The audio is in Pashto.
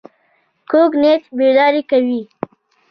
کوږ نیت بې لارې کوي